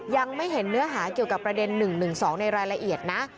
ยังไม่เห็นเนื้อหาเกี่ยวกับประเด็น๑๑๒ในรายละเอียดนะ